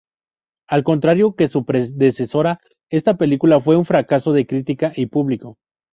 Al contrario que su predecesora; está película fue un fracaso de crítica y público.